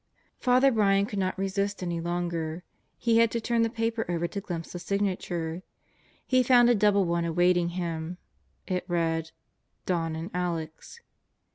... Father Brian could not resist any longer; he had to turn the paper over to glimpse the signature. He found a double one awaiting him. It read "Don and Alex."